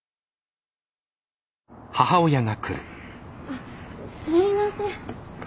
あっすいません。